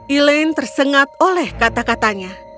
elaine tersengat oleh kata katanya